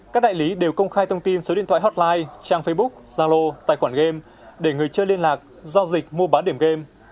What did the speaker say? các đại lý đều công khai thông tin số điện thoại hotline trang facebook zalo tài khoản game để người chơi liên lạc giao dịch mua bán điểm game